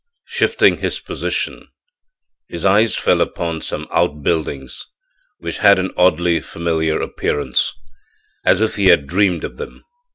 Shifting his position, his eyes fell upon some outbuildings which had an oddly familiar appearance, as if he had dreamed of them.